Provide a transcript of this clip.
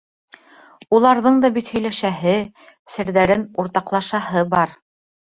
Уларҙың да бит һөйләшәһе, серҙәрен уртаҡлашаһы бар.